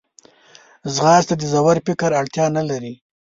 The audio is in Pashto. ځغاسته د ژور فکر اړتیا نه لري